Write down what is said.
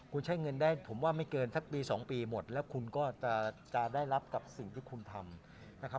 คุณใช้เงินได้ผมว่าไม่เกินสักปี๒ปีหมดแล้วคุณก็จะได้รับกับสิ่งที่คุณทำนะครับ